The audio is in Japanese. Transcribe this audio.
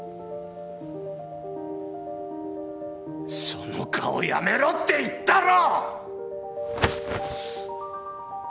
その顔やめろって言ったろ！